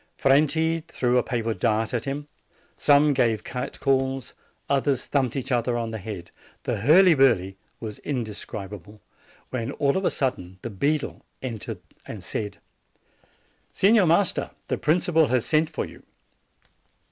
Franti threw a paper dart at him; some gave cat calls; others thumped each other on the head. The hurly burly was indescrib able; when, all of a sudden, the beadle entered and said : "Signor Master, the principal has sent for you."